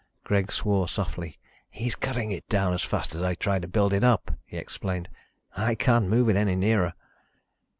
Greg swore softly. "He's cutting it down as fast as I try to build it up," he explained, "and I can't move it any nearer."